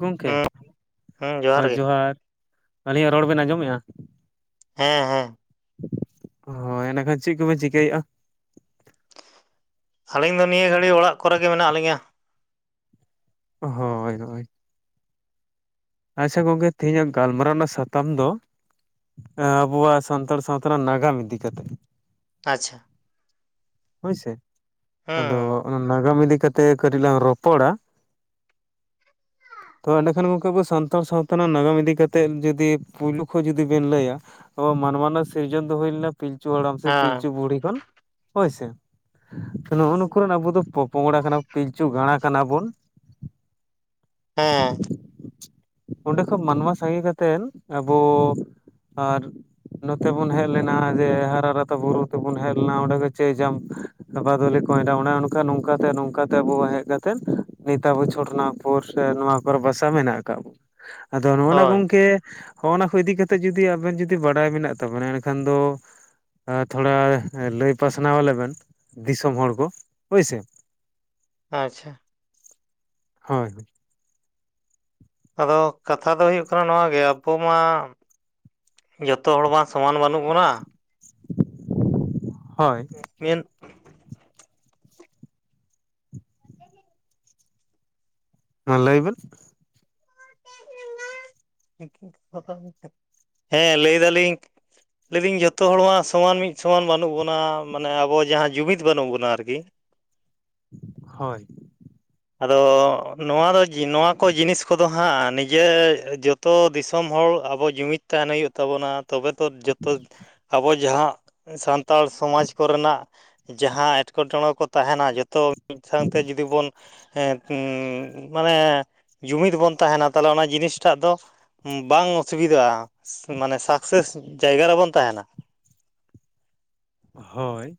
ᱜᱚᱢᱠᱮ ᱦᱩᱸ ᱦᱩᱸ ᱦᱳᱭ ᱜᱮ ᱡᱚᱦᱟᱨ ᱟᱹᱞᱤᱧᱟᱜ ᱨᱚᱲ ᱵᱮᱱ ᱟᱸᱡᱚᱢᱮᱜ-ᱟ᱾ ᱦᱮᱸ ᱦᱮᱸ᱾ ᱦᱳᱭ ᱮᱸᱰᱮᱠᱷᱟᱱ ᱪᱮᱫ ᱠᱚᱵᱤᱱ ᱪᱤᱠᱟᱹᱭᱮᱫ-ᱟ? ᱟᱹᱞᱤᱧ ᱫᱚ ᱱᱤᱭᱟᱹ ᱜᱷᱟᱹᱲᱤᱡ ᱚᱲᱟᱜ ᱠᱚᱨᱮ ᱜᱮ ᱢᱮᱱᱟᱜ ᱞᱤᱧᱟ᱾ ᱦᱳᱭ ᱦᱳᱭ᱾ ᱟᱪᱪᱷᱟ ᱜᱚᱝᱠᱮ ᱛᱮᱦᱮᱧᱟᱜ ᱜᱟᱞᱢᱟᱨᱟᱣ ᱨᱮᱱᱟᱜ ᱥᱟᱛᱟᱢ ᱫᱚ ᱮ ᱟᱵᱚᱣᱟᱜ ᱥᱟᱱᱛᱟᱲ ᱥᱟᱶᱛᱟ ᱨᱮᱱᱟᱜ ᱱᱟᱜᱟᱢ ᱤᱫᱤ ᱠᱟᱛᱮᱜ᱾ ᱟᱪᱪᱷᱟ᱾ ᱦᱳᱭᱥᱮ ᱟᱫᱚ ᱦᱩᱸ ᱚᱱᱟ ᱱᱟᱜᱟᱢ ᱤᱫᱤ ᱠᱟᱛᱮ ᱛᱮ ᱠᱟᱹᱴᱤᱡ ᱞᱟᱝ ᱨᱚᱯᱚᱲᱟ ᱛᱚ ᱮᱸᱰᱮᱠᱷᱟᱱ [unintelligible] ᱥᱟᱱᱛᱟᱲ ᱥᱟᱶᱛᱟ ᱨᱮᱱᱟᱜ ᱱᱟᱜᱟᱢ ᱤᱫᱤ ᱠᱟᱛᱮᱫ ᱡᱩᱫᱤ ᱯᱩᱭᱞᱩ ᱠᱷᱚᱱ ᱡᱩᱫᱤ ᱵᱤᱱ ᱞᱟᱹᱭᱟ ᱟᱵᱚ ᱢᱟᱱᱣᱟ ᱨᱮᱱᱟᱜ ᱥᱤᱨᱡᱚᱱ ᱫᱚ ᱦᱩᱭ ᱞᱮᱱᱟ ᱯᱤᱞᱪᱩ ᱦᱟᱲᱟᱢ ᱥᱮ ᱯᱤᱞᱪᱩ ᱦᱮᱸ ᱵᱩᱲᱦᱤ ᱠᱷᱚᱱ, ᱦᱳᱭ ᱥᱮ᱾ ᱱᱩᱜᱼᱩ ᱱᱩᱠᱱ ᱨᱤᱱ ᱟᱵᱚ ᱫᱚ ᱯᱚᱯᱚᱝᱲᱟ ᱠᱟᱱᱟ ᱯᱤᱞᱪᱩ ᱜᱟᱬᱟ ᱠᱟᱱᱟ ᱵᱚᱱ᱾ ᱦᱮᱸ᱾ ᱚᱸᱰᱮ ᱠᱷᱚᱱ ᱢᱟᱱᱣᱟ ᱥᱟᱸᱜᱮ ᱠᱟᱛᱮᱱ ᱟᱵᱚ [inaudible] ᱟᱨ- ᱱᱚᱛᱮ ᱵᱚᱱ ᱦᱮᱡ ᱞᱮᱱᱟ ᱡᱮ, ᱦᱟᱨᱟ ᱨᱟᱛᱟ ᱵᱩᱨᱩ ᱛᱮᱵᱚᱱ ᱦᱮᱡ ᱞᱮᱱᱟ᱾ ᱚᱸᱰᱮ ᱫᱚ ᱪᱟᱹᱭ ᱡᱟᱢᱼ ᱟᱵᱟᱫᱚᱞᱤ ᱠᱚᱭᱰᱟ ᱚᱱᱮ ᱚᱱᱠᱟ ᱱᱚᱝᱠᱟᱛᱮ ᱱᱚᱝᱠᱟᱛᱮ ᱟᱵᱚ ᱦᱮᱡ ᱠᱟᱛᱮᱫ ᱱᱤᱛᱚᱜ ᱟᱵᱚ ᱪᱷᱚᱴᱴᱱᱟᱜ ᱥᱮ ᱱᱚᱣᱟ ᱠᱚᱨᱮ ᱵᱟᱥᱟ ᱢᱮᱱᱟᱜ ᱟᱠᱟᱫ ᱵᱚᱱᱟ, ᱟᱫᱚ ᱱᱚᱜᱼᱱᱟ ᱦᱳᱭ ᱜᱚᱢᱠᱮ ᱦᱚᱱᱟ ᱠᱚ ᱤᱫᱤ ᱠᱟᱛᱮ ᱡᱩᱫᱤ ᱟᱵᱮᱱ ᱡᱩᱫᱤ ᱵᱟᱲᱟᱭ ᱢᱮᱱᱟᱜ ᱛᱟᱵᱮᱱᱟ, ᱮᱱᱠᱷᱟᱱ ᱫᱚ ᱛᱷᱚᱲᱟ ᱞᱟᱹᱭ ᱯᱟᱥᱱᱟᱣᱟᱞᱮ ᱵᱮᱱ? ᱫᱤᱥᱚᱢ ᱦᱚᱲ ᱠᱚ ᱦᱳᱭ ᱥᱮ? ᱟᱪᱪᱷᱟ᱾ ᱦᱳᱭ᱾ ᱟᱫᱚ ᱠᱟᱛᱷᱟ ᱫᱚ ᱦᱩᱭᱩᱜ ᱠᱟᱱᱟ ᱱᱚᱣᱟ ᱜᱮ ᱟᱵᱚ ᱢᱟ ᱡᱚᱛᱚ ᱦᱚᱲ ᱵᱟᱝ ᱥᱚᱢᱟᱱ ᱵᱟᱹᱱᱩᱜ ᱵᱚᱱᱟ᱾ ᱦᱳᱭ᱾ ᱢᱮᱱ ᱞᱟᱹᱭ ᱵᱮᱱ [unintelligible] ᱦᱮᱸ ᱞᱟᱹᱭ ᱮᱫᱟ ᱞᱤᱧ ᱞᱟᱹᱭᱫᱟᱹᱧ ᱡᱷᱚᱛᱚ ᱦᱚᱲᱢᱟ ᱥᱚᱢᱟᱱ ᱞᱟᱭᱫᱤᱧ ᱡᱷᱚᱛᱚ ᱦᱚᱲ ᱢᱟ ᱥᱚᱢᱟᱱ ᱢᱤᱫ ᱥᱚᱢᱟᱱ ᱵᱟᱹᱱᱩᱜ ᱵᱚᱱᱟ᱾ ᱢᱟᱱᱮ ᱟᱵᱚ ᱡᱟᱦᱟᱸ ᱡᱩᱢᱤᱫ ᱵᱟᱹᱱᱩᱜ ᱵᱚᱱᱟ ᱟᱨᱠᱤ᱾ ᱦᱳᱭ᱾ ᱟᱫᱚ ᱱᱚᱣᱟ ᱫᱚ ᱱᱚᱣᱟ ᱠᱚ ᱡᱤᱱᱤᱥ ᱠᱚᱫᱚ ᱦᱟᱸᱜ ᱱᱤᱡᱮ ᱡᱚᱛᱚ ᱛᱚ ᱫᱤᱥᱚᱢ ᱦᱚᱲ ᱟᱵᱚ ᱡᱩᱢᱤᱫ ᱛᱟᱦᱮᱱ ᱦᱩᱭᱩᱜ ᱛᱟᱵᱚᱱᱟ ᱛᱚᱵᱮ ᱛᱚ ᱡᱚᱛᱚ ᱟᱵᱚ ᱡᱟᱦᱟᱸ ᱥᱟᱱᱛᱟᱲ ᱥᱚᱢᱟᱡ ᱠᱚᱨᱮᱱᱟᱜ ᱡᱟᱦᱟᱸ ᱮᱴᱠᱮᱴᱚᱬᱮ ᱠᱚ ᱛᱟᱦᱮᱱᱟ ᱡᱚᱛᱚ ᱢᱤᱫ ᱥᱟᱶᱛᱮ ᱡᱩᱫᱤ ᱵᱚᱱ ᱦᱮᱸ ᱢᱟᱱᱮ ᱡᱩᱢᱤᱫ ᱵᱚᱱ ᱛᱟᱦᱮᱱᱟ ᱛᱟᱦᱚᱞᱮ ᱚᱱᱟ ᱡᱤᱱᱤᱥᱴᱟᱜ ᱫᱚ ᱵᱟᱝ ᱚᱥᱩᱵᱤᱫᱟᱜ-ᱟ ᱢᱟᱱᱮ ᱥᱟᱠᱥᱮᱥ ᱡᱟᱭᱜᱟ ᱨᱮᱵᱚᱱ ᱛᱟᱦᱮᱱᱟ᱾ ᱦᱳᱭ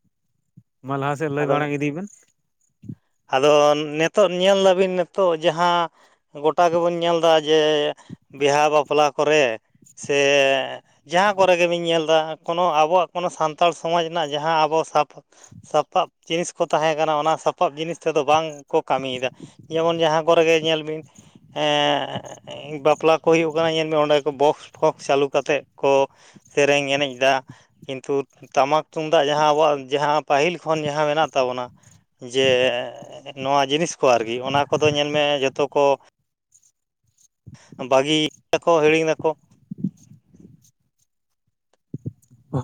ᱢᱟ ᱞᱟᱦᱟ ᱥᱮᱫ ᱞᱟᱹᱭ ᱟᱫᱚ ᱢᱟᱲᱟᱝ ᱤᱫᱤ ᱵᱮᱱ ᱟᱫᱚ ᱱᱤᱛᱚᱜ ᱧᱮᱞ ᱫᱟᱵᱤᱱ ᱱᱤᱛᱚᱜ ᱡᱟᱦᱟᱸ ᱜᱚᱴᱟ ᱜᱮᱵᱚᱱ ᱧᱮᱞᱫᱟ ᱡᱮ ᱵᱤᱦᱟ ᱵᱟᱯᱞᱟ ᱠᱚᱨᱮ ᱥᱮ ᱡᱟᱦᱟᱸ ᱠᱚᱨᱮ ᱜᱮᱵᱤᱱ ᱧᱮᱞᱫᱟ ᱠᱳᱱᱳ ᱟᱵᱚᱣᱟᱜ ᱠᱳᱱᱳ ᱥᱟᱱᱛᱟᱲ ᱥᱚᱢᱟᱡ ᱨᱮᱱᱟᱜ ᱡᱟᱦᱟᱸ ᱟᱵᱚ ᱥᱟᱯ ᱥᱟᱯᱟᱵ ᱡᱤᱱᱤᱥ ᱠᱚ ᱛᱟᱦᱮᱸ ᱠᱟᱱᱟ ᱚᱱᱟ ᱥᱟᱯᱟᱵ ᱥᱟᱯᱟᱵ ᱡᱤᱱᱤᱥ ᱛᱮᱫᱚ ᱵᱟᱝ ᱠᱚ ᱠᱟᱹᱢᱤᱭᱮᱫᱟ ᱡᱮᱢᱚᱱ ᱡᱟᱦᱟᱸ ᱠᱚᱨᱮᱜᱮ ᱧᱮᱞ ᱵᱤᱱ ᱮᱸ ᱵᱟᱯᱞᱟ ᱠᱚ ᱦᱩᱭᱩᱜ ᱠᱟᱱᱟ ᱧᱮᱞ ᱢᱮ ᱚᱸᱰᱮ ᱠᱚ ᱵᱚᱠᱥ ᱯᱷᱚᱠᱥ ᱪᱟᱹᱞᱩ ᱠᱟᱛᱮᱫ ᱠᱚ ᱥᱮᱨᱮᱧ ᱮᱱᱮᱡ ᱫᱟ᱾ ᱠᱤᱱᱛᱩ ᱴᱟᱢᱟᱠ ᱛᱩᱢᱫᱟᱜ ᱡᱟᱦᱟᱸ ᱟᱵᱚᱣᱟᱜ ᱡᱟᱦᱟᱸ ᱯᱟᱹᱦᱤᱞ ᱠᱷᱚᱱ ᱡᱟᱦᱟᱸ ᱢᱮᱱᱟᱜ ᱛᱟᱵᱚᱱᱟ ᱡᱮ ᱱᱚᱣᱟ ᱡᱤᱱᱤᱥ ᱠᱚ ᱟᱨᱠᱤ ᱚᱱᱟ ᱠᱚᱫᱚ ᱧᱮᱞᱢᱮ ᱡᱚᱛᱚ ᱠᱚ ᱵᱟᱹᱜᱤᱭ ᱫᱟᱠᱚ ᱦᱤᱲᱤᱧ ᱫᱟᱠᱚ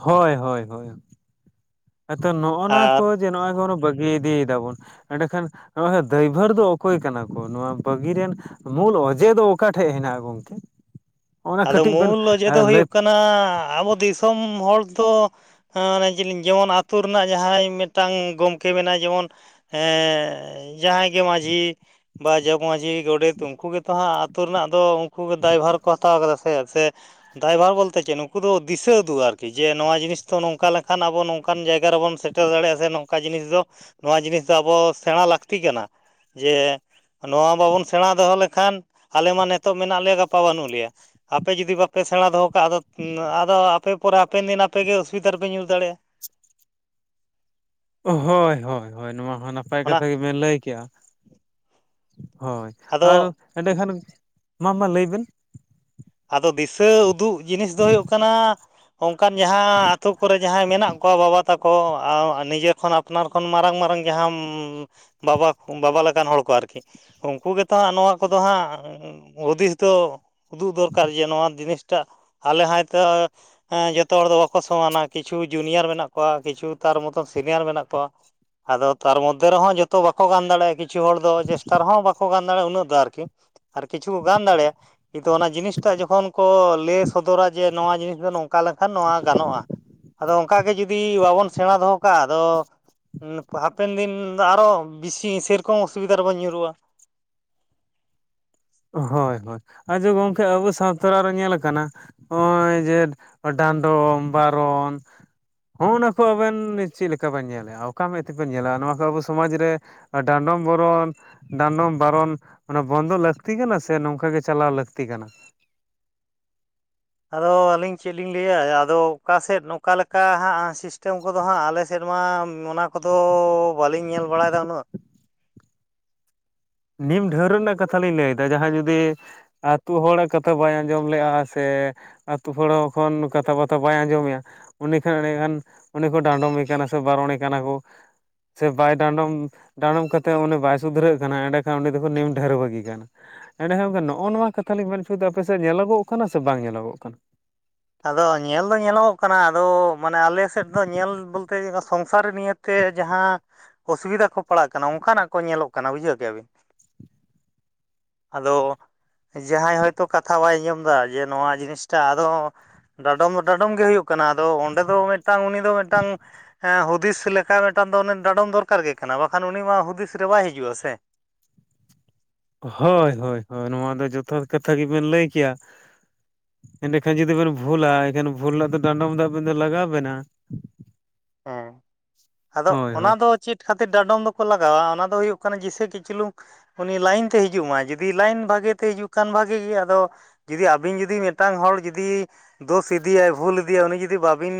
ᱦᱳᱭ ᱦᱳᱭ ᱦᱳᱭ ᱟᱫᱚ ᱱᱚᱜᱱᱟ ᱟᱨ ᱠᱚ ᱡᱮ ᱱᱚᱣᱟ ᱠᱚ ᱵᱚᱱ ᱵᱟᱹᱜᱤ ᱤᱫᱤᱭ ᱫᱟᱵᱚᱱ᱾ ᱮᱸᱰᱮᱠᱷᱟᱱ ᱱᱚᱜᱚᱭ ᱫᱟᱹᱭᱵᱟᱹᱨ ᱫᱚ ᱚᱠᱚᱭ ᱠᱟᱱᱟ ᱠᱚ ᱱᱚᱣᱟ ᱵᱟᱹᱜᱤ ᱨᱮᱱ? ᱢᱩᱞ ᱚᱡᱮ ᱫᱚ ᱚᱠᱟ ᱴᱷᱮᱡ ᱦᱮᱱᱟᱜ-ᱟ ᱜᱚᱢᱠᱮ? ᱟᱫᱚ ᱢᱩᱞ ᱚᱡᱮ ᱫᱚ ᱦᱩᱭᱩᱜ ᱠᱟᱱᱟ ᱟᱵᱚ ᱫᱤᱥᱚᱢ ᱦᱚᱲ ᱫᱚ [inaudible] ᱡᱮᱢᱚᱱ ᱟᱹᱛᱩ ᱨᱮᱱᱟᱜ ᱡᱟᱦᱟᱸᱭ ᱢᱤᱫᱴᱟᱱ ᱜᱚᱢᱠᱮ ᱢᱮᱱᱟᱭ ᱡᱮᱢᱚᱱ ᱦᱮᱸ ᱡᱟᱦᱟᱸᱭ ᱜᱮ ᱢᱟᱡᱷᱤ ᱵᱟ ᱡᱚᱜᱽᱢᱟᱡᱷᱤ ᱜᱚᱰᱮᱛ ᱩᱱᱠᱩ ᱜᱮᱛᱚ ᱦᱟᱸᱜ ᱟᱹᱛᱩ ᱨᱮᱱᱟᱜ ᱫᱚ ᱩᱱᱠᱩ ᱫᱟᱭᱵᱷᱟᱨ ᱠᱚ [unintelligible] ᱥᱮ ᱥᱮ ᱫᱟᱭᱵᱷᱟᱨ ᱵᱚᱞᱛᱮ ᱪᱮᱫ ᱱᱩᱠᱩ ᱫᱚ ᱫᱤᱥᱟᱹ ᱩᱫᱩᱜ ᱟᱨᱠᱤ ᱡᱮ ᱱᱚᱣᱟ ᱡᱤᱱᱤᱥ ᱫᱚ ᱱᱚᱝᱠᱟ ᱞᱮᱠ ᱠᱷᱟᱱ ᱟᱵᱚ ᱱᱚᱝᱠᱟᱱ ᱡᱟᱭᱜᱟ ᱨᱮᱵᱚᱱ ᱥᱮᱴᱮᱨ ᱫᱟᱲᱮᱭᱟᱜ-ᱟ ᱥᱮ ᱱᱚᱝ ᱱᱚᱝᱠᱟ ᱡᱤᱱᱤᱥ ᱫᱚ ᱱᱚᱣᱟ ᱡᱤᱱᱤᱥ ᱫᱚ ᱟᱵᱚ ᱥᱮᱲᱟ ᱞᱟᱹᱠᱛᱤ ᱠᱟᱱᱟ᱾ ᱡᱮ ᱱᱚᱣᱟ ᱵᱟᱵᱚᱱ ᱥᱮᱬᱟ ᱫᱚᱦᱚ ᱞᱮᱠᱷᱟᱱ, ᱟᱞᱮ ᱢᱟ ᱱᱤᱛᱟᱜ ᱢᱮᱱᱟᱜ ᱞᱮᱭᱟ ᱜᱟᱯᱟ ᱵᱟᱹᱱᱩᱜ ᱞᱮᱭᱟ ᱾ ᱟᱯᱮ ᱡᱩᱫᱤ ᱵᱟᱯᱮ ᱥᱮᱲᱟ ᱫᱚᱦᱚ ᱠᱟᱜᱼᱟ ᱟᱫᱚ, ᱟᱫᱚ ᱟᱯᱮ ᱯᱚᱨᱮ ᱦᱟᱯᱮᱱ ᱫᱤᱱ ᱟᱯᱮᱜᱮ ᱚᱥᱩᱵᱤᱫᱟ ᱨᱮᱯᱮ ᱧᱩᱨ ᱫᱟᱲᱮᱭᱟᱜᱼᱟ ᱾ ᱦᱚᱭ ᱦᱚᱭ ᱦᱚᱭ ᱱᱚᱣᱟ ᱦᱚᱸ ᱱᱟᱯᱟᱭ ᱚᱱᱟ ᱠᱟᱛᱷᱟ ᱜᱮᱵᱤᱱ ᱞᱟᱹᱭ ᱠᱮᱫᱼᱟ ᱾ ᱦᱚᱭ ᱟᱫᱚ ᱟᱨ ᱮᱸᱰᱮᱠᱷᱟᱱ, ᱢᱟ ᱢᱟ ᱞᱟᱹᱭ ᱵᱤᱱ ᱾ ᱟᱫᱚ ᱫᱤᱥᱟᱹ ᱩᱫᱩᱜ ᱡᱤᱱᱤᱥ ᱫᱚ ᱦᱩᱭᱩᱜ ᱠᱟᱱᱟ ᱚᱱᱠᱟᱱ ᱡᱟᱦᱟᱸ ᱟᱛᱳ ᱠᱚᱨᱮ ᱡᱟᱦᱟᱸᱭ ᱢᱮᱱᱟᱜ ᱠᱚᱣᱟ ᱵᱟᱵᱟ ᱛᱟᱠᱚ, ᱱᱤᱡᱮ ᱠᱷᱚᱱ ᱟᱯᱱᱟᱨ ᱠᱷᱚᱱ ᱢᱟᱨᱟᱝ ᱢᱟᱨᱟᱝ ᱡᱟᱦᱟᱸ ᱵᱟᱵᱟ-ᱵᱟᱵᱟ ᱞᱮᱠᱟᱱ ᱦᱚᱲ ᱠᱚ ᱟᱨᱠᱤ, ᱩᱱᱠᱩ ᱜᱮᱛᱚ ᱦᱟᱸᱜ ᱱᱚᱣᱟ ᱠᱚᱫᱚ ᱦᱟᱸᱜ ᱦᱩᱫᱤᱥ ᱫᱚ ᱩᱫᱩᱜ ᱫᱚᱨᱠᱟᱨ ᱡᱮ ᱱᱚᱣᱟ ᱡᱤᱱᱤᱥᱴᱟᱜ ᱟᱞᱮ ᱦᱚᱭᱛᱚ ᱦᱮᱸ ᱡᱚᱛᱚ ᱦᱚᱲ ᱫᱚ ᱵᱟᱠᱚ ᱥᱚᱢᱟᱱᱟ ᱠᱤᱪᱷᱩ ᱡᱩᱱᱤᱭᱟᱨ ᱢᱮᱱᱟᱜ ᱠᱚᱣᱟ ᱠᱤᱪᱷᱩ ᱛᱟᱨ ᱢᱚᱛᱚᱱ ᱥᱤᱱᱤᱭᱟᱨ ᱢᱮᱱᱟᱜ ᱠᱚᱣᱟ᱾ ᱟᱫᱚ ᱛᱟᱨ ᱢᱚᱫᱽᱫᱷᱮ ᱨᱮᱦᱚᱸ ᱡᱚᱛᱚ ᱵᱟᱠᱚ ᱜᱟᱱ ᱫᱟᱲᱮᱭᱟᱜᱼᱟ ᱠᱤ ᱠᱤᱪᱷᱩ ᱦᱚᱲ ᱫᱚ ᱪᱮᱥᱴᱟ ᱨᱮᱦᱚᱸ ᱵᱟᱠᱚ ᱜᱟᱱ ᱫᱟᱲᱮᱭᱟᱜᱼᱟ ᱩᱱᱟᱹᱜ ᱫᱚ ᱟᱨᱠᱤ ᱟᱨ ᱠᱤᱪᱷᱩ ᱠᱚ ᱜᱟᱱ ᱫᱟᱲᱮᱭᱟᱜᱼᱟ ᱠᱤᱱᱛᱩ ᱚᱱᱟ ᱡᱤᱱᱤᱥ ᱴᱟᱜ ᱡᱚᱠᱷᱚᱱ ᱠᱚ ᱞᱮᱥ ᱥᱚᱫᱚᱨᱟ ᱡᱮ ᱱᱚᱣᱟ ᱡᱤᱱᱤᱥ ᱫᱚ ᱱᱚᱝ ᱠᱟ ᱞᱮᱱᱠᱷᱟᱱ ᱱᱚᱣᱟ ᱜᱟᱱᱚᱜᱼᱟ ᱾ ᱟᱫᱚ ᱚᱱᱠᱟ ᱜᱮ ᱡᱩᱫᱤ ᱵᱟᱵᱚᱱ ᱥᱮᱬᱟ ᱫᱚᱦᱚ ᱠᱟᱜ-ᱟ ᱟᱫᱚ ᱦᱟᱯᱮᱱ ᱫᱤᱱ ᱫᱚ ᱟᱨᱚ ᱵᱤᱥᱤ ᱥᱮᱨᱚᱠᱚᱢ ᱚᱥᱩᱵᱤᱫᱟ ᱨᱮ ᱵᱚᱱ ᱧᱩᱨᱩᱜᱼᱟ ᱾ ᱦᱚᱭ ᱦᱚᱭ ᱟᱪᱪᱷᱟ ᱜᱚᱝᱠᱮ ᱟᱵᱚ ᱥᱟᱶᱛᱟ ᱨᱮ ᱧᱮᱞᱟᱠᱟᱱᱟ ᱾ ᱦᱚᱜᱼᱚᱭ ᱡᱮ ᱰᱟᱸᱰᱚᱢ, ᱵᱟᱨᱚᱱ ᱦᱚᱸᱜᱼᱱᱟ ᱠᱚ ᱟᱵᱮᱱ ᱪᱮᱫ ᱞᱮᱠᱟ ᱵᱮᱱ ᱧᱮᱞᱮᱜᱼᱟ ᱚᱠᱟ ᱢᱮᱫ ᱛᱮᱵᱮᱱ ᱧᱮᱞᱟ ᱱᱚᱣᱟ ᱠᱚ ᱟᱵᱚ ᱥᱚᱢᱟᱡᱽ ᱨᱮ ᱟᱨ ᱰᱟᱱᱰᱚᱢ, ᱵᱚᱨᱚᱱ, ᱰᱟᱱᱰᱚᱢ, ᱵᱟᱨᱚᱱ ᱚᱱᱟ ᱵᱚᱱᱫᱚ ᱞᱟᱹ ᱞᱟᱹᱠᱛᱤ ᱠᱟᱱᱟ ᱥᱮ ᱱᱚᱝᱠᱟ ᱜᱮ ᱪᱟᱞᱟᱣ ᱞᱟᱹᱠᱛᱤ ᱠᱟᱱᱟ? ᱟᱫᱚ ᱟᱹᱞᱤᱧ ᱪᱮᱫ ᱞᱤᱧ ᱞᱟᱹᱭᱟ ᱟᱫᱚ ᱚᱠᱟ ᱥᱮᱫ ᱱᱚᱠᱟ ᱞᱮᱠᱟ ᱦᱟᱸᱜ ᱥᱤᱥᱴᱮᱢ ᱠᱚᱫᱚ ᱦᱟᱸᱜ ᱟᱞᱮ ᱟᱞᱮ ᱥᱮᱫ ᱢᱟ ᱚᱱᱟ ᱠᱚᱫᱚ ᱵᱟᱟᱹᱞᱤᱧ ᱧᱮᱞ ᱵᱟᱲᱟᱭᱮᱫᱟ ᱩᱱᱟᱹᱜ ᱱᱤᱢ ᱰᱷᱟᱹᱣᱨᱟᱹᱜ ᱨᱮᱱᱟᱜ ᱠᱟᱛᱷᱟ ᱞᱤᱧ ᱞᱟᱹᱭᱮᱫᱟ ᱡᱟᱦᱟᱸᱭ ᱡᱩᱫᱤ ᱟᱹᱛᱩ ᱦᱚᱲᱟᱜ ᱠᱟᱛᱷᱟ ᱵᱟᱭ ᱟᱸᱡᱚᱢ ᱞᱮᱼᱟ ᱥᱮ ᱟᱹᱛᱩ ᱦᱚᱲ ᱦᱚᱸ ᱮᱠᱷᱚᱱ ᱠᱟᱛᱷᱟ ᱵᱟᱛᱟ ᱵᱟᱭ ᱟᱸᱡᱚᱢᱮ-ᱟ ᱩᱱᱤ ᱠᱷ ᱮᱸᱰᱮᱠᱷᱟᱱ ᱩᱱᱤ ᱠᱚ ᱰᱟᱸᱰᱚᱢᱮ ᱠᱟᱱᱟ ᱥᱮ ᱵᱟᱨᱚᱱᱮ ᱠᱟᱱᱟ ᱠᱚ ᱾ ᱥᱮ ᱵᱟᱭ ᱰᱟᱸᱰᱚᱢ, ᱰᱟᱸᱰᱚᱢ ᱠᱟᱛᱮᱫ ᱩᱱᱤᱮ ᱵᱟᱭ ᱥᱩᱫᱷᱨᱟᱹᱜ ᱠᱟᱱᱟ ᱮᱸᱰᱮ ᱠᱷᱟᱱ ᱩᱱᱤ ᱫᱚᱠᱚ ᱱᱤᱢ ᱰᱷᱟᱹᱨᱣᱟᱹ ᱜᱮ ᱠᱟᱱᱟ ᱾ ᱮᱸᱰᱮ ᱠᱷᱟᱱ ᱜᱚᱝᱠᱮ ᱱᱚᱜᱼᱚ ᱱᱚᱣᱟ ᱠᱟᱛᱷᱟ ᱞᱤᱧ ᱢᱮᱱ ᱦᱚᱪᱚᱭᱣᱮᱫᱟ ᱾ ᱟᱯᱮ ᱥᱮᱫ ᱧᱮᱞᱚᱜᱚᱜ ᱠᱟᱱᱟ ᱥᱮ ᱵᱟᱝ ᱧᱮᱞᱚᱜᱚᱜ ᱠᱟᱱᱟ? ᱟᱫᱚ ᱧᱮᱞ ᱫᱚ ᱧᱮᱞᱚᱜᱚᱜ ᱠᱟᱱᱟ ᱟᱫᱚ ᱢᱟᱱᱮ ᱟᱞᱮ ᱥᱮᱫ ᱫᱚ ᱧᱮᱞ ᱵᱚᱞᱛᱮ ᱥᱚᱝᱥᱟᱨᱤ ᱱᱤᱭᱟᱹ ᱛᱮ ᱡᱟᱦᱟᱸ ᱚᱥᱩᱵᱤᱫᱷᱟ ᱠᱚ ᱯᱟᱲᱟᱜ ᱠᱟᱱᱟ ᱚᱱᱠᱟᱱᱟᱜ ᱠᱚ ᱧᱮᱞᱚᱜ ᱠᱟᱱᱟ ᱵᱩᱡᱷᱟᱹᱣ ᱠᱮᱫ-ᱟ ᱵᱤᱱ ᱾ [inaudible] ᱟᱫᱚ ᱡᱟᱦᱟᱸᱭ ᱦᱚᱭᱛᱚ ᱠᱟᱛᱷᱟ ᱵᱟᱭ ᱟᱸᱡᱚᱢ ᱮᱫᱟ ᱡᱮ ᱱᱚᱣᱟ ᱡᱤᱱᱤᱥᱴᱟ ᱟᱫᱚ ᱰᱟᱰᱚᱢ ᱫᱚ ᱰᱟᱰᱚᱢ ᱜᱮ ᱦᱩᱭᱩᱜ ᱠᱟᱱᱟ ᱟᱫᱚ ᱚᱸᱰᱮ ᱫᱚ ᱢᱤᱫᱴᱟᱝ ᱩᱱᱤ ᱫᱚ ᱢᱤᱫᱴᱟᱝ ᱦᱮᱸ ᱦᱩᱫᱤᱥ ᱞᱮᱠᱟ ᱢᱤᱫᱴᱟᱝ ᱫᱚ ᱰᱟᱸᱰᱚᱢ ᱫᱚᱨᱠᱟᱨ ᱜᱮ ᱠᱟᱱᱟ ᱵᱟᱠᱷᱟᱱ ᱩᱱᱤ ᱢᱟ ᱦᱩᱫᱤᱥ ᱨᱮ ᱵᱟᱭ ᱦᱤᱡᱩᱜᱼᱟ ᱥᱮ ᱾ ᱦᱚᱭ ᱦᱟᱭ ᱦᱚᱭ ᱱᱚᱣᱟ ᱫᱚ ᱡᱚᱛᱷᱟᱛ ᱠᱟᱛᱷᱟ ᱜᱮ ᱵᱤᱱ ᱞᱟᱹᱭ ᱠᱮᱫ-ᱟ ᱾ ᱮᱸᱰᱮᱠᱷᱟᱱ ᱡᱩᱫᱤ ᱵᱮᱱ ᱵᱷᱩᱞᱟ ᱮᱱᱠᱷᱟᱱ ᱵᱷᱩᱞ ᱨᱮᱱᱟᱜ ᱫᱚ ᱰᱟᱸᱰᱚᱢ ᱫᱚ ᱟᱵᱤᱱ ᱫᱚ ᱞᱟᱜᱟᱣ ᱵᱮᱱᱟ ᱾ [inaudible] ᱦᱮᱸ ᱟᱫᱚ ᱚᱱᱟ ᱫᱚ ᱪᱮᱫ? ᱠᱷᱟᱛᱤᱨ ᱰᱟᱰᱚᱢ ᱫᱚᱠᱚ ᱞᱟᱜᱟᱣᱟ ᱚᱱᱟ ᱫᱚ ᱦᱩᱭᱩᱜ ᱠᱟᱱᱟ ᱡᱤᱥᱮ ᱠᱤ ᱪᱩᱞᱩᱝ ᱩᱱᱤ ᱞᱟᱭᱤᱱ ᱛᱮ ᱦᱤᱡᱩᱜ ᱢᱟᱭ ᱡᱩᱫᱤ ᱞᱟᱭᱤᱱ ᱵᱷᱟᱜᱮ ᱛᱮ ᱦᱤᱡᱩᱜ ᱠᱷᱟᱱ ᱵᱷᱟᱜᱮ ᱜᱮ ᱟᱫᱚ ᱾ ᱡᱩᱫᱤ ᱟᱵᱤᱱ ᱡᱩᱫᱤ ᱢᱤᱫᱴᱟᱱ ᱦᱚᱲ ᱡᱩᱫᱤ ᱫᱚᱥ ᱤᱫᱤᱭᱟᱭ, ᱵᱷᱩᱞ ᱤᱫᱤᱭᱟᱭ ᱩᱱᱤ ᱡᱩᱫᱤ ᱵᱟᱵᱤᱱ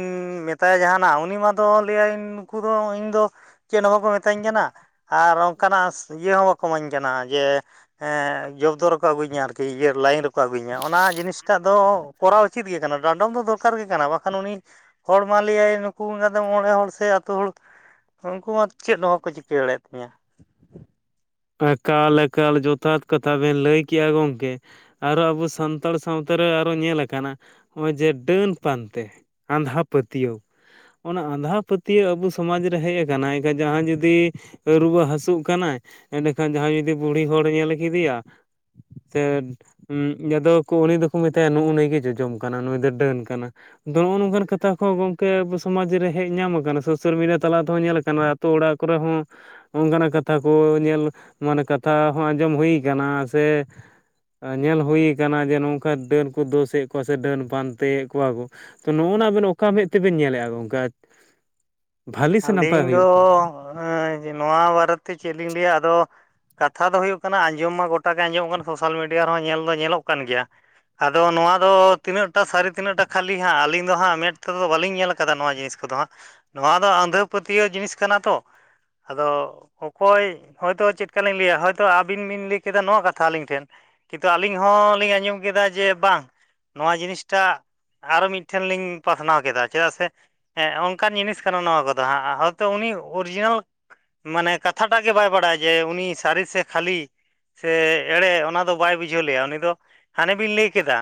ᱢᱮᱛᱟᱭᱟ ᱡᱟᱦᱟᱱᱟᱜ ᱩᱱᱤ ᱢᱟ ᱫᱚ ᱞᱟᱹᱭᱟᱭ ᱱᱩᱠᱩ ᱫᱚ ᱤᱧᱫᱚ ᱪᱮᱫ ᱦᱚᱸ ᱵᱟᱠᱚ ᱢᱤᱛᱟᱹᱧ ᱠᱟᱱᱟ ᱾ ᱟᱨ ᱚᱱᱠᱟᱱᱟᱜ ᱤᱭᱟᱹ ᱦᱚᱸ ᱵᱟᱠᱚ ᱤᱢᱟᱹᱧ ᱠᱟᱱᱟ ᱡᱮ ᱡᱚᱵᱫᱳ ᱨᱮᱠᱚ ᱟᱹᱜᱩᱧᱟ ᱟᱨᱠᱤ ᱤᱭᱟᱹ ᱞᱟᱭᱤᱱ ᱨᱮᱠᱚ ᱟᱹᱜᱩᱧᱟ ᱚᱱᱟ ᱡᱤᱱᱤᱥᱴᱟᱜ ᱫᱚ ᱠᱚᱨᱟᱣ ᱩᱪᱤᱛ ᱜᱮ ᱠᱟᱱᱟ ᱰᱟᱸᱰᱚᱢ ᱫᱚ ᱫᱚᱨᱠᱟᱨ ᱜᱮ ᱠᱟᱱᱟ ᱵᱟᱠᱷᱟᱱ ᱩᱱᱤ ᱦᱚᱲ ᱢᱟ ᱞᱟᱹᱭᱟᱭ ᱱᱩᱠᱩ ᱫᱚ ᱢᱚᱬᱮ ᱦᱚᱲ ᱥᱮ ᱟᱹᱛᱩ ᱦᱚᱲ ᱩᱱᱠᱩ ᱢᱟ ᱪᱮᱫ ᱦᱚᱸ ᱵᱟᱠᱚ ᱪᱤᱠᱟᱹ ᱫᱟᱲᱮᱭᱟᱫ ᱛᱤᱧᱟ ᱾ ᱮᱠᱟᱞ ᱮᱠᱟᱞ ᱡᱚᱛᱷᱟᱛ ᱠᱟᱛᱷᱟ ᱵᱮᱱ ᱞᱟᱹᱭ ᱠᱮᱜᱼᱟ ᱜᱚᱝᱠᱮ, ᱟᱨᱚ ᱟᱵᱚ ᱥᱟᱱᱛᱟᱲ ᱥᱟᱶᱛᱟ ᱨᱮ ᱟᱨᱚ ᱧᱮᱞ ᱟᱠᱟᱱᱟ ᱦᱚᱜᱼᱚᱭ ᱡᱮ ᱰᱟᱹᱱ ᱯᱟᱱᱛᱮ ᱟᱸᱫᱷᱟ ᱯᱟᱹᱛᱭᱟᱹᱣ ᱚᱱᱟ ᱟᱸᱫᱷᱟ ᱯᱟᱹᱛᱭᱟᱹᱣ ᱟᱵᱚ ᱥᱚᱢᱟᱡᱽ ᱨᱮ ᱦᱮᱡ ᱟᱠᱟᱱᱟ ᱮᱱᱠᱷᱟᱱ ᱡᱟᱦᱟᱸ ᱡᱩᱫᱤ ᱨᱩᱣᱟᱹ ᱦᱟᱹᱥᱩᱜ ᱠᱟᱱᱟᱭ ᱮᱱᱮ ᱠᱷᱟᱱ ᱡᱟᱦᱟᱸᱭ ᱡᱩᱫᱤ ᱵᱩᱲᱦᱤ ᱦᱚᱲᱮ ᱧᱮᱞ ᱠᱮᱫᱮᱭᱟ [unintelligible] ᱡᱟᱫᱚ ᱠᱩᱱᱤ ᱫᱚᱠᱚ ᱢᱮᱛᱟᱭᱟ ᱱᱩᱜᱼᱩ ᱱᱩᱭ ᱜᱮ ᱡᱚᱡᱚᱢ ᱠᱟᱱᱟ ᱱᱩᱭ ᱫᱚᱭ ᱰᱟᱹᱱ ᱠᱟᱱᱟ, ᱟᱫᱚ ᱱᱚᱜᱼᱚ ᱱᱚᱝᱠᱟᱱ ᱠᱟᱛᱷᱟ ᱠᱚᱦᱚᱸ ᱜᱚᱝᱠᱮ ᱟᱵᱚ ᱥᱚᱢᱟᱡᱽ ᱨᱮ ᱦᱮᱡ ᱧᱟᱢ ᱟᱠᱟᱱᱟ ᱥᱳᱥᱟᱞ ᱢᱤᱰᱤᱭᱟ ᱛᱟᱞᱟ ᱛᱮᱦᱚᱸ ᱧᱮᱞ ᱠᱟᱱᱟ ᱟᱛᱳ ᱚᱲᱟᱜ ᱠᱚᱨᱮ ᱦᱚᱸ ᱚᱱᱠᱟᱱᱟᱜ ᱠᱟᱛᱷᱟ ᱠᱚ ᱧᱮᱞ ᱢᱟᱱᱮ ᱠᱟᱛᱷᱟ ᱦᱚᱸ ᱟᱸᱡᱚᱢ ᱦᱩᱭ ᱠᱟᱱᱟ ᱥᱮ ᱧᱮᱞ ᱦᱩᱭ ᱠᱟᱱᱟ ᱡᱮ ᱱᱚᱝᱠᱟ ᱰᱟᱹᱱ ᱠᱚ ᱫᱳᱥᱮᱫ ᱠᱚᱣᱟ ᱥᱮ ᱰᱟᱹᱱ ᱯᱟᱱᱛᱮᱭᱮᱫ ᱠᱚᱣᱟ ᱠᱚ ᱛᱚ ᱱᱚᱜᱼᱚ ᱱᱚᱣᱟ ᱟᱵᱮᱱ ᱚᱠᱟ ᱢᱮᱫ ᱛᱮᱵᱮᱱ ᱧᱮᱞᱮᱼᱟ ᱜᱚᱝᱠᱮ᱾ ᱵᱷᱟᱞᱤ ᱥᱮ ᱱᱟᱯᱟᱭ ᱟᱹᱞᱤᱧ ᱫᱚ ᱦᱩᱭᱩᱜ ᱠᱟᱱᱟ ᱱᱚᱣᱟ ᱵᱟᱨᱮᱛᱮ ᱪᱮᱫ ᱞᱤᱧ ᱞᱟᱹᱭᱟ ᱟᱫᱚ ᱠᱟᱛᱷᱟ ᱫᱚ ᱦᱩᱭᱩᱜ ᱠᱟᱱᱟ ᱟᱸᱡᱚᱢ ᱢᱟ ᱜᱚᱴᱟ ᱜᱮ ᱟᱸᱡᱚᱢᱚᱜ ᱠᱟᱱᱟ ᱥᱳᱥᱟᱞ ᱢᱤᱰᱤᱭᱟ ᱨᱮᱦᱚᱸ ᱧᱮᱞ ᱫᱚ ᱧᱮᱞᱚᱜ ᱠᱟᱱ ᱜᱮᱭᱟ ᱟᱫᱚ ᱱᱚᱣᱟ ᱫᱚ ᱛᱤᱱᱟᱹᱜᱼᱴᱟ ᱥᱟᱹᱨᱤ ᱛᱤᱱᱟᱹᱜᱼᱴᱟ ᱠᱷᱟᱹᱞᱤ ᱦᱟᱸᱜ ᱟᱹᱞᱤᱧ ᱫᱚ ᱦᱟᱸᱜ ᱢᱮᱫ ᱛᱮᱫᱚ ᱵᱟᱞᱤᱧ ᱧᱮᱞ ᱠᱟᱫᱟ ᱱᱚᱣᱟ ᱡᱤᱱᱤᱥ ᱠᱚᱫᱚ ᱦᱟᱸᱜ ᱱᱚᱣᱟ ᱫᱚ ᱟᱸᱫᱷᱟ ᱯᱟᱹᱛᱭᱟᱹᱣ ᱡᱤᱱᱤᱥ ᱠᱟᱱᱟ ᱛᱚ ᱟᱫᱚ ᱚᱠᱚᱭ ᱦᱚᱳᱭᱛᱚ ᱪᱮᱫ ᱠᱟᱞᱤᱧ ᱞᱟᱹᱭᱟ ᱦᱭᱛᱳ ᱟᱵᱤᱱ ᱵᱤᱱ ᱞᱟᱹᱭ ᱠᱮᱫᱟ ᱱᱚᱣᱟ ᱠᱟᱛᱷᱟ ᱟᱹᱞᱤᱧ ᱴᱷᱮᱱ ᱠᱤᱱᱛᱩ ᱟᱹᱞᱤᱧ ᱦᱚᱸᱞᱤᱧ ᱟᱸᱡᱚᱢ ᱠᱮᱫᱟ ᱡᱮ ᱵᱟᱝ ᱱᱚᱣᱟ ᱡᱤᱱᱤᱥᱴᱟᱜ ᱟᱨᱚ ᱢᱤᱫᱴᱷᱮᱱ ᱞᱤᱧ ᱯᱟᱥᱱᱟᱣ ᱠᱮᱫᱟ ᱪᱮᱫᱟᱜ ᱥᱮ ᱦᱮᱸ ᱚᱱᱠᱟᱱ ᱡᱤᱱᱤᱥ ᱠᱟᱱᱟ ᱱᱚᱣᱟ ᱠᱚᱫᱚ-ᱼ ᱦᱟᱸᱜ ᱦᱚᱭᱛᱚ ᱩᱱᱤ ᱚᱨᱤᱡᱤᱱᱟᱞ ᱢᱟᱱᱮ ᱠᱟᱛᱷᱟᱴᱟᱜ ᱜᱮ ᱵᱟᱭ ᱵᱟᱲᱟᱭᱟ ᱡᱮ ᱩᱱᱤ ᱥᱟᱹᱨᱤ ᱥᱮ ᱠᱷᱟᱹᱞᱤ ᱥᱮ ᱮᱲᱮ ᱚᱱᱟ ᱫᱚ ᱵᱟᱭ ᱵᱩᱡᱷᱟᱹᱣ ᱞᱮᱜᱼᱟ ᱩᱱᱤ ᱫᱚ ᱦᱟᱱᱮ ᱵᱤᱱ ᱞᱟᱹᱭ ᱠᱮᱫᱟ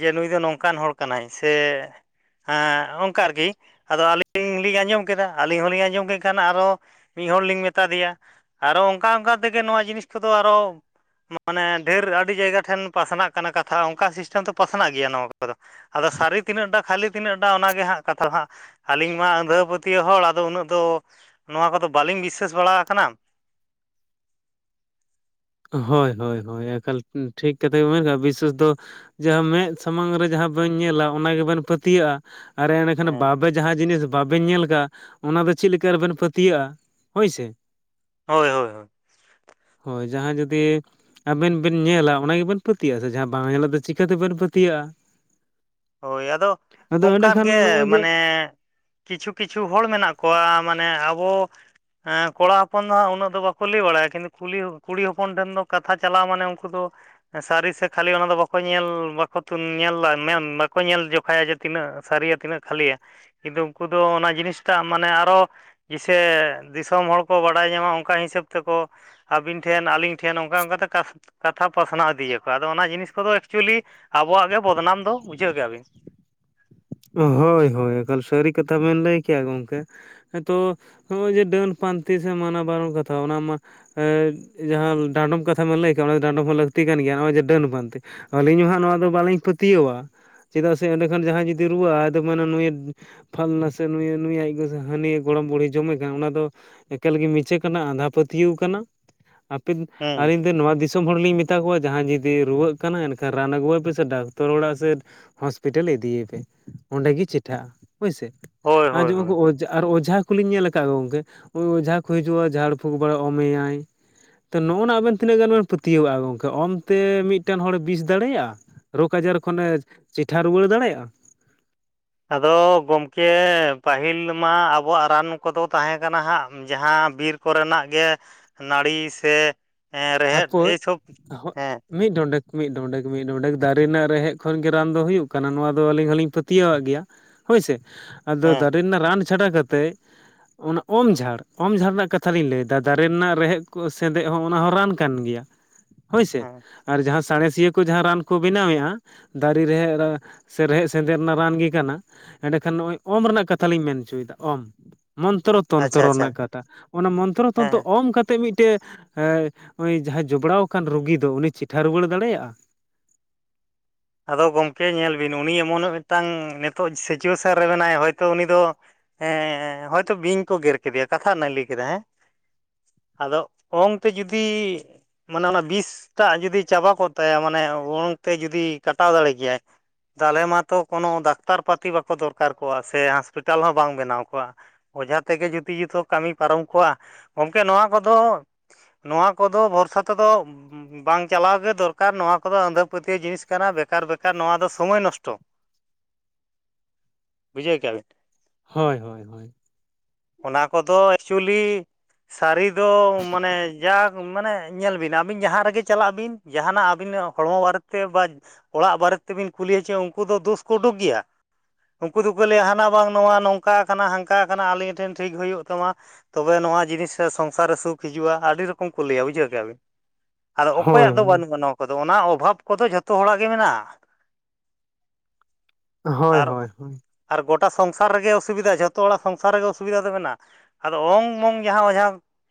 ᱡᱮ ᱱᱩᱭ ᱫᱚ ᱱᱚᱝᱠᱟᱱ ᱦᱚᱲ ᱠᱟᱱᱟᱭ ᱥᱮ ᱦᱮᱸ ᱚᱱᱠᱟ ᱟᱨᱠᱤ ᱟᱫᱚ ᱟᱹᱞᱤᱧ ᱞᱤᱧ ᱟᱸᱡᱚᱢ ᱠᱮᱫᱟ ᱟᱹᱞᱤᱧ ᱦᱚᱸᱞᱤᱧ ᱟᱸᱡᱚᱢ ᱠᱮᱫ ᱠᱷᱟᱱ ᱟᱨᱚ ᱢᱤᱫ ᱦᱚᱲ ᱞᱤᱧ ᱢᱮᱛᱟᱜ ᱫᱮᱭᱟ, ᱟᱨᱚ ᱚᱱᱠᱟ ᱚᱱᱠᱟ ᱛᱮᱜᱮ ᱱᱚᱣᱟ ᱡᱤᱱᱤᱥ ᱠᱚᱫᱚ ᱟᱨᱚ ᱢᱟᱱᱮ ᱰᱷᱮᱨ ᱟᱹᱰᱤ ᱡᱟᱭᱜᱟ ᱴᱷᱮᱱ ᱯᱟᱥᱱᱟᱜ ᱠᱟᱱᱟ ᱠᱟᱛᱷᱟ ᱚᱱᱠᱟ ᱥᱤᱥᱴᱮᱢ ᱛᱮ ᱯᱟᱥᱱᱟᱜ ᱜᱮᱭᱟ ᱱᱚᱣᱟ ᱠᱚᱫᱚ ᱟᱫᱚ ᱥᱟᱹᱨᱤ ᱛᱤᱱᱟᱹᱜ ᱴᱟᱜ ᱠᱷᱟᱹᱞᱤ ᱛᱤᱱᱟᱹᱜ ᱴᱟᱜ ᱚᱱᱟᱜᱮ ᱦᱟᱸᱜ ᱠᱟᱛᱷᱟ ᱦᱟᱸᱜ ᱟᱹᱞᱤᱧ ᱢᱟ ᱟᱸᱫᱷᱟ ᱯᱟᱹᱛ ᱤᱭᱟᱹ ᱦᱚᱲ ᱟᱫᱚ ᱩᱱᱟᱹᱜ ᱫᱚ ᱱᱚᱣᱟ ᱠᱚᱫᱚ ᱵᱟᱹᱞᱤᱧ ᱵᱤᱥᱟᱹᱥ ᱵᱟᱲᱟ ᱟᱠᱟᱱᱟ ᱾ ᱦᱳᱭ ᱦᱳᱭ ᱦᱳᱭ ᱮᱠᱟᱞ ᱴᱷᱤᱠ ᱠᱟᱛᱷᱟ ᱜᱮ ᱵᱤᱥᱮᱥ ᱫᱚ ᱡᱟᱦᱟᱸ ᱢᱮᱫ ᱥᱟᱢᱟᱝ ᱨᱮ ᱡᱟᱦᱟᱸ ᱵᱟᱹᱧ ᱧᱮᱞᱟ ᱚᱱᱟ ᱜᱮᱵᱮᱱ ᱯᱟᱹᱛᱤᱭᱟᱹᱜᱼᱟ, ᱟᱨ ᱮᱸᱱᱮᱠᱷᱟᱱ ᱦᱮᱸ ᱵᱟᱵᱮ ᱡᱟᱦᱟᱸ ᱡᱤᱱᱤᱥ ᱵᱟᱵᱮᱱ ᱧᱮᱞ ᱠᱟᱜᱼᱟ ᱚᱱᱟ ᱫᱚ ᱪᱮᱫ ᱞᱮᱠᱟ ᱨᱮᱵᱮᱱ ᱯᱟᱹᱛᱭᱟᱹᱼᱟ ᱯᱟᱹᱛᱭᱟᱹᱜᱼᱟ ᱦᱩᱭᱥᱮ ᱾ ᱦᱳᱭ ᱦᱳᱭ ᱦᱳᱭ ᱾ ᱦᱳᱭ ᱡᱟᱦᱟᱸ ᱡᱩᱫᱤ ᱾ ᱟᱵᱮᱱ ᱵᱮᱱ ᱧᱮᱞᱟ ᱚᱱᱟ ᱜᱮᱵᱮᱱ ᱯᱟᱹᱛᱭᱟᱹᱜᱼᱟ ᱥᱮ ᱡᱟᱦᱟᱸ ᱵᱟᱝ ᱧᱮᱞᱟᱜ ᱫᱚ ᱪᱤᱠᱟᱹᱛᱮᱵᱮᱱ ᱯᱟᱹᱛᱤᱭᱟᱹᱜᱼᱟ ᱾ ᱦᱳᱭ ᱟᱫᱚ ᱚᱱᱠᱨ ᱮᱸᱰᱮᱠᱷᱟᱱ ᱜᱮ ᱱᱚᱜᱼᱚᱭ ᱡᱮ ᱢᱟᱱᱮ ᱠᱤᱪᱷᱩ ᱠᱤᱪᱷᱩ ᱦᱚᱲ ᱢᱮᱱᱟᱜ ᱠᱚᱣᱟ ᱢᱟᱱᱮ ᱟᱵᱚ ᱦᱮᱸ ᱠᱚᱲᱟ ᱦᱚᱯᱚᱱ ᱫᱚ ᱦᱟᱸᱜ ᱩᱱᱟᱹᱜ ᱫᱚ ᱵᱟᱠᱚ ᱞᱟᱹᱭ ᱵᱟᱲᱟᱭᱟ ᱠᱤᱱᱛᱩ ᱠᱩᱞᱤ ᱠᱩᱲᱤ ᱦᱚᱯᱚᱱ ᱴᱷᱮᱱ ᱫᱚ ᱠᱟᱛᱷᱟ ᱪᱟᱟᱜᱣ ᱢᱟᱱᱮ ᱩᱱᱠᱩ ᱫᱚ ᱥᱟᱹᱨᱤ ᱥᱮ ᱠᱷᱟᱞᱤ ᱚᱱᱟ ᱫᱚ ᱵᱟᱠᱚ ᱧᱮᱞ ᱵᱟᱠᱚ ᱛᱩᱱ ᱧᱮᱞ ᱫᱟ ᱢᱮᱱ ᱠᱚ ᱧᱮᱞ ᱡᱚᱠᱷᱟᱭᱟ ᱡᱮ ᱛᱤᱱᱟᱹᱜ ᱥᱟᱹᱨᱤᱭᱟ ᱛᱤᱱᱟᱹᱜ ᱠᱷᱟᱹᱞᱤᱭᱟ ᱠᱤᱱᱛᱩ ᱩᱱᱠᱩ ᱫᱚ ᱚᱱᱟ ᱡᱤᱱᱤᱥᱴᱟᱜ ᱢᱟᱱᱮ ᱟᱨᱚ ᱡᱤᱥᱮ ᱫᱤᱥᱚᱢ ᱦᱚᱲ ᱠᱚ ᱵᱟᱰᱟᱭ ᱧᱟᱢᱟ ᱚᱱᱠᱟ ᱦᱤᱥᱟᱹᱵ ᱛᱮᱠᱚ ᱟᱹᱵᱤᱱ ᱴᱷᱮᱱ, ᱟᱞᱤᱧ ᱴᱷᱮᱱ ᱚᱱᱠᱟ ᱚᱱᱠᱟᱛᱮ ᱠᱟᱛᱷ ᱠᱟᱛᱷᱟ ᱯᱟᱥᱱᱟᱣ ᱤᱫᱤᱭᱟᱠᱚ ᱟᱫᱚ ᱚᱱᱟ ᱡᱤᱱᱤᱥ ᱠᱚᱫᱚ ᱮᱠᱪᱩᱣᱟᱹᱞᱤ ᱟᱵᱚᱣᱟᱜ ᱜᱮ ᱵᱚᱫᱽᱱᱟᱢ ᱫᱚ ᱵᱩᱡᱷᱟᱹᱣ ᱠᱮᱜᱼᱟ ᱵᱤᱱ ᱾ ᱦᱳᱭ ᱦᱳᱭ ᱮᱠᱟᱞ ᱥᱟᱹᱨᱤ ᱠᱟᱛᱷᱟ ᱵᱮᱱ ᱞᱟᱹᱭ ᱠᱮᱜᱼᱟ ᱜᱚᱝᱠᱮ, ᱦᱸᱛᱚ ᱱᱚᱜᱼᱚᱭ ᱡᱮ ᱰᱟᱹᱱ ᱯᱟᱱᱛᱮ ᱥᱮ ᱢᱟᱱᱟ ᱵᱟᱨᱚᱱ ᱠᱟᱛᱷᱟ ᱚᱱᱟ ᱢᱟ ᱮᱸ ᱡᱟᱦᱟᱸ ᱰᱟᱸᱰᱚᱢ ᱠᱟᱛᱷᱟ ᱵᱮᱱ ᱞᱟᱹᱭ ᱠᱮᱜᱼᱟ ᱚᱱᱟ ᱫᱚ ᱰᱟᱸᱰᱚᱢ ᱦᱚᱸ ᱞᱟᱹᱠᱛᱤ ᱠᱟᱱ ᱜᱮᱭᱟ ᱱᱚᱜᱼᱚᱭ ᱡᱮ ᱰᱟᱹᱱ ᱯᱟᱱᱛᱮ, ᱟᱹᱞᱤᱧ ᱦᱚᱸ ᱦᱟᱸᱜ ᱱᱚᱣᱟ ᱫᱚ ᱵᱟᱹᱞᱤᱧ ᱯᱟᱹᱛᱭᱟᱹᱣᱟᱜᱼᱟ ᱪᱮᱫᱟᱜ ᱥᱮ ᱮᱸᱰᱮ ᱠᱷᱟᱱ ᱡᱟᱦᱟᱸᱭ ᱡᱩᱫᱤ ᱨᱩᱣᱟᱹᱼᱟ ᱟᱫᱚ ᱢᱮᱱᱟᱮ ᱱᱩᱭᱮ ᱯᱷᱟᱞᱱᱟ ᱥᱮ ᱱᱩᱭ ᱱᱩᱭ ᱟᱡ ᱜᱚ ᱥᱮ ᱦᱟᱹᱱᱤ ᱜᱚᱲᱚᱢ ᱵᱩᱲᱦᱤ ᱡᱚᱢᱮ ᱠᱟᱱ ᱚᱱᱟ ᱫᱚ ᱮᱠᱟᱞᱜᱮ ᱢᱤᱪᱷᱟᱹ ᱠᱟᱱᱟ ᱟᱸᱫᱷᱟ ᱯᱟᱹᱛᱭᱟᱹᱣ ᱠᱟᱱᱟ ᱟᱯᱮ ᱦᱮᱸ ᱟᱹᱧᱤᱧ ᱫᱚ ᱱᱚᱣᱟ ᱫᱤᱥ ᱫᱤᱥᱚᱢ ᱦᱚᱲ ᱞᱤᱧ ᱢᱮᱛᱟ ᱠᱚᱣᱟ ᱡᱟᱦᱟᱸᱭ ᱡᱩᱫᱤ ᱨᱩᱣᱟᱹᱜ ᱠᱟᱱᱟ ᱮᱱᱠᱷᱟᱱ ᱨᱟᱱ ᱟᱹᱜᱩᱣᱟᱭᱟ ᱯᱮᱥᱮ ᱰᱟᱠᱛᱚᱨ ᱚᱲᱟᱜ ᱥᱮᱫ ᱦᱚᱸᱥᱯᱤᱴᱟᱹᱞ ᱤᱫᱤᱭᱮᱯᱮ ᱚᱸᱰᱮ ᱜᱮ ᱪᱮᱴᱷᱟᱹᱜᱼᱟ ᱦᱳᱭᱥᱮ ᱦᱳᱭ ᱟᱨ ᱦᱳᱭ ᱡᱮᱢᱚᱱ ᱦᱳᱭ ᱠᱚ ᱚᱡᱟ ᱟᱨ ᱚᱡᱷᱟ ᱠᱚᱞᱤᱧ ᱧᱮᱞ ᱟᱠᱟᱫ ᱠᱚ ᱜᱚᱝᱠᱮ ᱚ ᱚᱡᱷᱟ ᱠᱚ ᱦᱤᱡᱩᱜᱼᱟ ᱡᱷᱟᱲ ᱯᱷᱩᱸᱠ ᱵᱟᱲᱟ ᱚᱢᱮᱭᱟᱭ ᱛᱚ ᱱᱚᱜᱼᱚᱭ ᱱᱚᱣᱟ ᱟᱵᱮᱱ ᱛᱤᱱᱟᱹᱜ ᱜᱟᱱ ᱵᱮᱱ ᱯᱟᱹᱛᱭᱟᱹᱣᱟᱜᱼᱟ ᱜᱚᱝᱠᱮ ᱚᱢᱛᱮ ᱢᱤᱫᱴᱮᱱ ᱦᱚᱲᱮ ᱵᱤᱥ ᱫᱟᱲᱮᱭᱟᱜᱼᱟ᱾ ᱨᱳᱜᱽ ᱟᱡᱟᱨ ᱠᱷᱚᱱᱮ ᱪᱮᱴᱷᱟ ᱨᱩᱣᱟᱹᱲ ᱫᱟᱲᱮᱭᱟᱜᱼᱟ᱾ ᱟᱫᱚ ᱜᱚᱢᱠᱮ ᱯᱟᱹᱦᱤᱞ ᱢᱟ ᱟᱵᱚᱣᱟᱜ ᱨᱟᱱ ᱠᱚᱫᱚ ᱛᱟᱦᱮᱸ ᱠᱟᱱᱟ ᱦᱟᱸᱜ ᱡᱟᱦᱟᱸ ᱵᱤᱨ ᱠᱚᱨᱮᱱᱟᱜ ᱜᱮ ᱱᱟᱹᱲᱤ ᱥᱮ ᱨᱮᱦᱮᱫ ᱦᱟᱹᱯᱟᱹᱭ ᱮᱭᱥᱚᱵ ᱦᱳᱭ᱾ ᱦᱮᱸ ᱢᱤᱫ ᱰᱚᱸᱰᱮᱠ ᱢᱤᱫ ᱰᱚᱸᱰᱮᱠ ᱢᱤᱫ ᱰᱚᱸᱰᱮᱠ ᱫᱟᱨᱮ ᱨᱮᱱᱟᱜ ᱨᱮᱦᱮᱫ ᱠᱷᱚᱱ ᱜᱮ ᱨᱟᱱ ᱫᱚ ᱦᱩᱭᱩᱜ ᱠᱟᱱᱟ ᱱᱚᱣᱟ ᱫᱚ ᱟᱹᱞᱤᱧ ᱦᱚᱞᱤᱧ ᱯᱟᱹᱛᱭᱟᱹᱣᱟᱜ ᱜᱮᱭᱟ᱾ ᱦᱳᱭᱥᱮ ᱟᱫᱚ ᱦᱮᱸ ᱫᱟᱨᱮ ᱨᱮᱱᱟᱜ ᱨᱟᱱ ᱪᱷᱟᱰᱟ ᱠᱟᱛᱮᱫ ᱚᱱᱟ ᱚᱢ ᱡᱷᱟᱲ ᱚᱢ ᱡᱷᱟᱲ ᱨᱮᱱᱟᱜ ᱠᱟᱛᱷᱟ ᱞᱤᱧ ᱞᱟᱹᱭᱫᱟ ᱫᱟᱨᱮ ᱨᱮᱱᱟᱜ ᱨᱮᱦᱮᱫ ᱠᱚ ᱥᱮᱸᱫᱮᱜ ᱦᱚᱸ ᱚᱱᱟ ᱦᱚᱸ ᱨᱟᱱ ᱠᱟᱱ ᱜᱮᱭᱟ ᱦᱳᱭᱥᱮ ᱦᱮᱸ ᱟᱨ ᱡᱟᱦᱟᱸ ᱥᱟᱬᱮᱥᱤᱭᱟᱹ ᱠᱚ ᱡᱟᱦᱟᱸ ᱨᱟᱱ ᱠᱚ ᱵᱮᱱᱟᱣᱮᱫᱼᱟ᱾ ᱫᱟᱨᱮ ᱨᱮᱦᱮᱫ ᱨᱟᱱ ᱥᱮ ᱨᱮᱦᱮᱫ ᱥᱮᱸᱫᱮᱜ ᱨᱮᱱᱟᱜ ᱨᱟᱱ ᱜᱮ ᱠᱟᱱᱟ᱾ ᱮᱸᱰᱮ ᱠᱷᱟᱱ ᱱᱚᱜᱼᱚᱭ ᱚᱢ ᱨᱮᱱᱟᱜ ᱠᱟᱛᱷᱟ ᱞᱤᱧ ᱢᱮᱱ ᱦᱚᱪᱚᱭᱮᱫᱟ ᱚᱢ ᱢᱚᱱᱛᱨᱚ ᱟᱪᱪᱷᱟ ᱛᱚᱱᱛᱨᱚ ᱟᱪᱪᱷᱟ ᱨᱮᱱᱟᱜ ᱠᱟᱛᱷᱟ ᱚᱱᱟ ᱢᱚᱱᱛᱨᱚ ᱦᱮᱸ ᱛᱚᱱᱛᱨᱚ ᱚᱢ ᱠᱟᱛᱮᱜ ᱢᱤᱫᱴᱮᱡ ᱮ ᱱᱩᱭ ᱡᱟᱦᱟᱸᱭ ᱡᱚᱯᱲᱟᱣ ᱟᱠᱟᱱ ᱨᱩᱜᱤ ᱫᱚ ᱩᱱᱤ ᱪᱮᱴᱷᱟ ᱨᱩᱣᱟᱹᱲ ᱫᱟᱲᱮᱭᱟᱜᱼᱟ᱾ ᱟᱫᱚ ᱜᱚᱢᱠᱮ ᱧᱮᱞ ᱵᱤᱱ ᱩᱱᱤ ᱮᱢᱚᱱ ᱢᱤᱫᱴᱟᱱ ᱱᱤᱛᱚᱜ ᱥᱤᱪᱩᱣᱮᱥᱟᱱ ᱨᱮ ᱢᱮᱱᱟᱭᱟ ᱦᱳᱭᱛᱚ ᱩᱱᱤ ᱫᱚ ᱦᱮᱸ ᱦᱳᱭᱛᱚ ᱵᱤᱧ ᱠᱚ ᱜᱮᱨ ᱠᱮᱫᱮᱭᱟ ᱠᱟᱛᱷᱟ ᱨᱮᱱᱟᱜ ᱮ ᱞᱟᱹᱭ ᱠᱮᱫᱟ ᱦᱮᱸ ᱟᱫᱚ ᱚᱝᱛᱮ ᱡᱩᱫᱤ ᱢᱟᱱᱮ ᱚᱱᱟ ᱵᱤᱥ ᱴᱟᱜ ᱡᱩᱫᱤ ᱪᱟᱵᱟ ᱠᱚᱜ ᱛᱟᱭᱟ ᱢᱟᱱᱮ ᱚᱝᱛᱮ ᱡᱩᱫᱤ ᱠᱟᱴᱟᱣ ᱫᱟᱲᱮ ᱠᱮᱭᱟᱭ ᱛᱟᱞᱮ ᱢᱟᱛᱚ ᱠᱳᱱᱳ ᱰᱟᱠᱛᱟᱨ ᱯᱟᱹᱛᱤ ᱵᱟᱠᱚ ᱫᱚᱨᱠᱟᱨ ᱠᱚᱜᱼᱟ ᱥᱮ ᱦᱟᱥᱯᱤᱴᱟᱞ ᱦᱚᱸ ᱵᱟᱝ ᱵᱮᱱᱟᱣ ᱠᱚᱜᱼᱟ᱾ ᱚᱡᱷᱟ ᱛᱮᱜᱮ ᱡᱩᱫᱤ ᱡᱚᱛᱚ ᱠᱟᱹᱢᱤ ᱯᱟᱨᱚᱢ ᱠᱚᱜᱼᱟ ᱜᱚᱢᱠᱮ ᱱᱚᱣᱟ ᱠᱚᱫᱚ ᱱᱚᱣᱟ ᱠᱚᱫᱚ ᱵᱷᱚᱨᱥᱟ ᱛᱮᱫᱚ ᱵᱟᱝ ᱪᱟᱞᱟᱣ ᱜᱮ ᱫᱚᱨᱠᱟᱨ ᱱᱚᱣᱟ ᱠᱚᱫᱚ ᱟᱸᱫᱷᱟ ᱯᱟᱹᱛᱭᱟᱹᱣ ᱡᱤᱱᱤᱥ ᱠᱟᱱᱟ ᱵᱮᱠᱟᱨ ᱵᱮᱠᱟᱨ ᱱᱚᱣᱟ ᱫᱚ ᱥᱚᱢᱚᱭ ᱱᱚᱥᱴᱚ ᱵᱩᱡᱷᱟᱹᱣ ᱠᱮᱜᱼᱟ ᱵᱤᱱ ᱦᱳᱭ ᱦᱳᱭ ᱦᱳᱭ᱾ ᱚᱱᱟ ᱠᱚᱫᱚ ᱮᱠᱪᱩᱞᱤ ᱥᱟᱹᱨᱤ ᱫᱚ ᱢᱟᱱᱮ ᱡᱟᱠ ᱢᱟᱱᱮ ᱧᱮᱞ ᱵᱤᱱ ᱟᱹᱵᱤᱱ ᱡᱟᱦᱟᱸ ᱨᱮᱜᱮ ᱪᱟᱞᱟᱜ ᱵᱤᱱ ᱡᱟᱦᱟᱱᱟᱜ ᱟᱹᱵᱤᱱ ᱦᱚᱲᱢᱚ ᱵᱟᱨᱮ ᱛᱮ ᱵᱟ ᱚᱲᱟᱜ ᱵᱟᱨᱮ ᱛᱮ ᱵᱤᱱ ᱠᱩᱞᱤᱭᱟ ᱪᱮ ᱩᱱᱠᱩ ᱫᱚ ᱫᱳᱥ ᱠᱚ ᱩᱰᱩᱠ ᱜᱮᱭᱟ᱾ ᱩᱱᱠᱩ ᱫᱚᱠᱚ ᱞᱟᱹᱭᱟ ᱦᱟᱱᱟ ᱵᱟᱝ ᱱᱚᱣᱟ ᱱᱚᱝᱠᱟ ᱠᱟᱱᱟ ᱦᱟᱱᱠᱟ ᱠᱟᱱᱟ ᱟᱹᱞᱤᱧ ᱴᱷᱮᱱ ᱴᱷᱤᱠ ᱦᱩᱭᱩᱜ ᱛᱟᱢᱟ ᱛᱚᱵᱮ ᱱᱚᱣᱟ ᱡᱤᱱᱤᱥ ᱥᱮ ᱥᱚᱝᱥᱟᱨ ᱨᱮ ᱥᱩᱠ ᱦᱤᱡᱩᱜᱼᱟ ᱟᱹᱰᱤ ᱨᱚᱠᱚᱢ ᱠᱚ ᱞᱟᱹᱭᱟ ᱵᱩᱡᱷᱟᱹᱣ ᱠᱮᱜᱼᱟ ᱵᱤᱱ ᱟᱫᱚ ᱦᱳᱭ ᱚᱠᱚᱭᱟᱜ ᱫᱚ ᱦᱳᱭ ᱵᱟᱹᱱᱩᱜᱼᱟ ᱱᱚᱣᱟ ᱠᱚᱫᱚ ᱚᱱᱟ ᱚᱵᱷᱟᱵᱽ ᱠᱚᱫᱚ ᱡᱷᱚᱛᱚ ᱦᱚᱲᱟᱜ ᱜᱮ ᱢᱮᱱᱟᱜᱼᱟ᱾ ᱦᱳᱭ ᱟᱨ ᱦᱳᱭ ᱦᱳᱭ᱾ ᱟᱨ ᱜᱚᱴᱟ ᱥᱚᱝᱥᱟᱨ ᱨᱮᱜᱮ ᱚᱥᱩᱵᱤᱫᱷᱟ ᱡᱷᱚᱛᱚ ᱦᱚᱲᱟᱜ ᱥᱚᱝᱥᱟᱨ ᱨᱮᱜᱮ ᱚᱥᱩᱵᱤᱫᱷᱟ ᱫᱚ ᱢᱮᱱᱟᱜᱼᱟ᱾ ᱟᱫᱚ ᱚᱝ ᱢᱚᱝ ᱜᱮ ᱦᱟᱸᱜ ᱚᱡᱷᱟ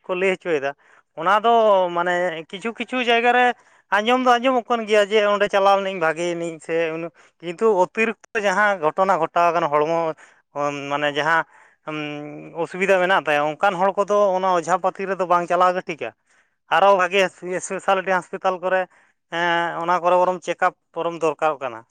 ᱠᱚ ᱞᱟᱹᱭ ᱚᱪᱚᱭᱮᱫᱟ᱾ ᱚᱱᱟ ᱫᱚ ᱢᱟᱱᱮ ᱠᱤᱪᱷᱩ ᱠᱤᱪᱷᱩ ᱡᱟᱭᱜᱟ ᱨᱮ ᱟᱸᱡᱚᱢ ᱫᱚ ᱟᱸᱡᱚᱢᱚᱜ ᱠᱟᱱ ᱜᱮᱭᱟ ᱡᱮ ᱚᱸᱰᱮ ᱪᱟᱞᱟᱣᱱᱟᱹᱧ ᱵᱷᱟᱜᱮᱱᱟᱹᱧ ᱥᱮ ᱩᱱᱟᱜ ᱠᱤᱱᱛᱩ ᱚᱛᱤᱨᱤᱠᱛᱚ ᱡᱟᱦᱟᱸ ᱜᱷᱚᱴᱚᱱᱟ ᱜᱷᱚᱴᱟᱣ ᱟᱠᱟᱱᱟ ᱦᱚᱲᱢᱚ ᱠᱷᱚᱱ ᱢᱟᱱᱮ ᱡᱟᱦᱟᱸ ᱚᱥᱩᱵᱤᱫᱷᱟ ᱢᱮᱱᱟᱜ ᱛᱟᱭᱟ ᱚᱱᱠᱟᱱ ᱦᱚᱲ ᱠᱚᱫᱚ ᱚᱱᱟ ᱚᱡᱷᱟ ᱯᱟᱹᱛᱤ ᱨᱮᱫᱚ ᱵᱟᱝ ᱪᱟᱞᱟᱣ ᱜᱮ ᱴᱷᱤᱠᱟ ᱟᱨᱚ ᱵᱷᱟᱜᱮ ᱮᱥᱯᱮᱥᱟᱞᱤᱴᱤ ᱦᱟᱥᱯᱟᱛᱟᱞ ᱠᱚᱨᱮ ᱮᱸ ᱚᱱᱟ ᱠᱚᱨᱮ ᱵᱟᱨᱚᱢ ᱪᱮᱠᱟᱯ ᱯᱚᱨᱚᱢ ᱫᱚᱨᱠᱟᱨᱚᱜ ᱠᱟᱱᱟ᱾